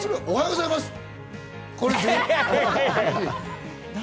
おはようございます。